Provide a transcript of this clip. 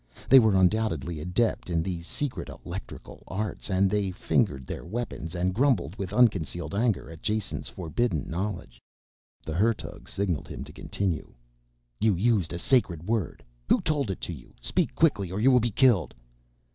They were undoubtedly adept in the secret electrical arts and they fingered their weapons and grumbled with unconcealed anger at Jason's forbidden knowledge. The Hertug signaled him to continue. "You used a sacred word. Who told it to you? Speak quickly or you will be killed."